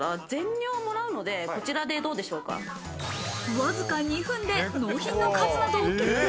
わずか２分で納品の数などを決定。